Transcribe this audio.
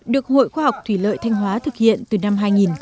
được hội khoa học thủy lợi thanh hóa thực hiện từ năm hai nghìn một mươi